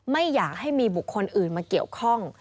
ไม่อยากให้มีบุคคลอื่นมาเกี่ยวข้อง